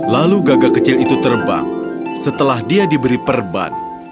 lalu gagah kecil itu terbang setelah dia diberi perban